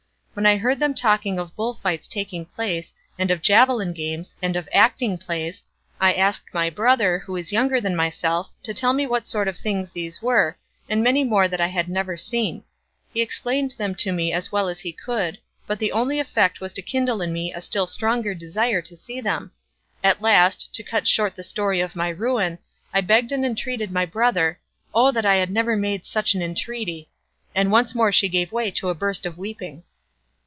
When I heard them talking of bull fights taking place, and of javelin games, and of acting plays, I asked my brother, who is a year younger than myself, to tell me what sort of things these were, and many more that I had never seen; he explained them to me as well as he could, but the only effect was to kindle in me a still stronger desire to see them. At last, to cut short the story of my ruin, I begged and entreated my brother O that I had never made such an entreaty—" And once more she gave way to a burst of weeping.